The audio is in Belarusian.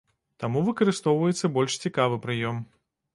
Таму выкарыстоўваецца больш цікавы прыём.